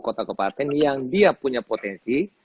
kota kota komaten yang dia punya potensi